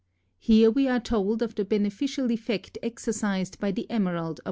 Here we are told of the beneficial effect exercised by the emerald upon the eyes.